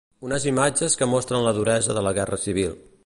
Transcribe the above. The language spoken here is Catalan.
Unes imatges que mostren la duresa de la guerra civil.